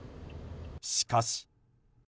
しかし。